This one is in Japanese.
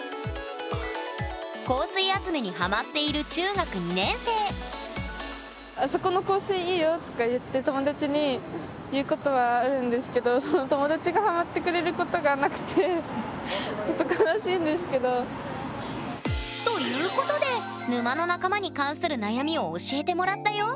香水集めにハマっている中学２年生「あそこの香水いいよ」とか言ってその友達がということで沼の仲間に関する悩みを教えてもらったよ！